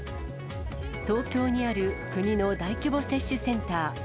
東京にある国の大規模接種センター。